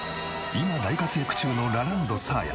今大活躍中のラランドサーヤ。